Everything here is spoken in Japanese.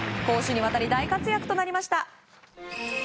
攻守にわたり大活躍となりました。